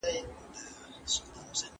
د "افغان زعفران" لوحې هر ځای لیدل کېږي.